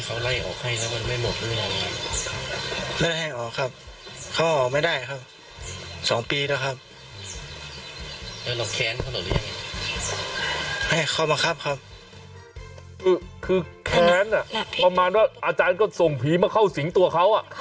คือแค้นประมาณว่าอาจารย์ก็ส่งผีมาเข้าสิงตัวเขา